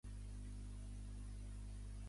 La va posar veu Ellen Kennedy.